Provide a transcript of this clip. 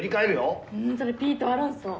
・んそれピート・アロンソ。